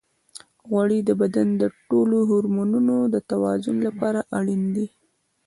غوړې د بدن د ټولو هورمونونو د توازن لپاره اړینې دي.